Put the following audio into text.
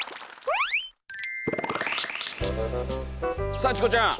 さあチコちゃん。